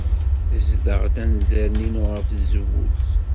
Ssdeɣ-d anzaren-inu ɣef tzewwut.